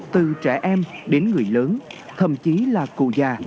từ trẻ em đến người lớn thậm chí là cụ già